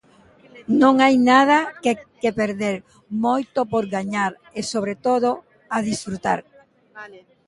Non hai nada que perder, moito por gañar, e sobre todo a desfrutar.